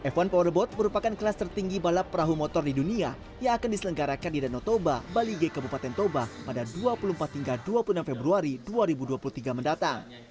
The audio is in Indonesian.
f satu powerboat merupakan kelas tertinggi balap perahu motor di dunia yang akan diselenggarakan di danau toba balige kabupaten toba pada dua puluh empat hingga dua puluh enam februari dua ribu dua puluh tiga mendatang